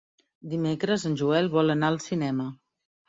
Dimecres en Joel vol anar al cinema.